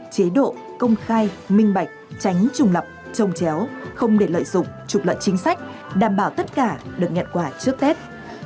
chế độ công khai minh bạch tránh trùng lập trông chéo không để lợi dụng trục lợi chính sách đảm bảo tất cả được nhận quà trước tết